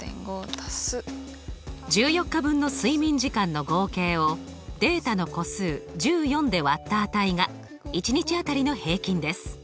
１４日分の睡眠時間の合計をデータの個数１４で割った値が１日当たりの平均です。